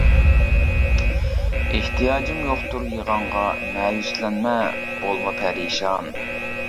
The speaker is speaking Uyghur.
ئېھتىياجىم يوقتۇر يىغاڭغا، مەيۈسلەنمە، بولما پەرىشان.